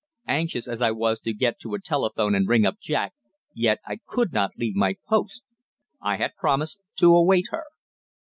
Anxious as I was to get to a telephone and ring up Jack, yet I could not leave my post I had promised to await her.